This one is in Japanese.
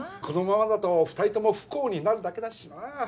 このままだと２人とも不幸になるだけだしなあ。